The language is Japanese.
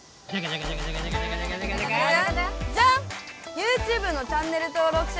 ＹｏｕＴｕｂｅのチャンネル登録者